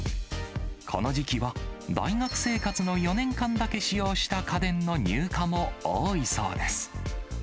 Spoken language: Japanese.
この時期は、大学生活の４年間だけ使用した家電の入荷も多いそうです。